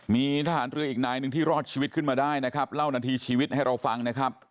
มีทหารเรืออีกนายหนึ่งที่รอดชีวิตขึ้นมาได้นะครับเล่านาทีชีวิตให้เราฟังนะครับ